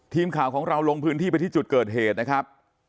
ทีมข่าวของเราลงพื้นที่ไปที่จุดเกิดเหตุนะครับ